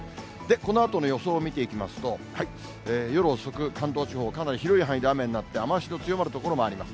このあとの予想を見ていきますと、夜遅く、関東地方、かなり広い範囲で雨になって、雨足の強まる所もあります。